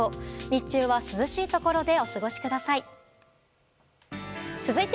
日中は、涼しいところでお過ごしください。